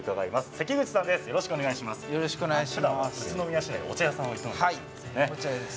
関口さんです。